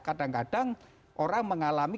kadang kadang orang mengalami